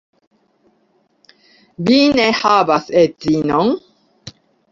Vi ne havas edzinon?